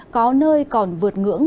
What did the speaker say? có nơi còn vượt ngưỡng ba mươi ba độ